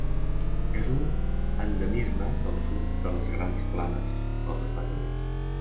És un endemisme del sud de les Grans planes dels Estats Units.